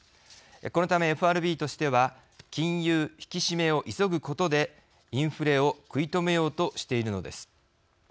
このため、ＦＲＢとしては金融引き締めを急ぐことでインフレを食い止めようとしているのです。